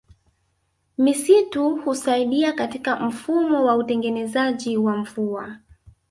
Misitu Husaidia katika mfumo wa utengenezaji wa mvua